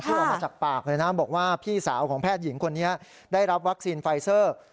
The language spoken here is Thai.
พูดออกมาจากปากเลยนะบอกว่าพี่สาวของแพทย์หญิงคนนี้ได้รับวัคซีนไฟเซอร์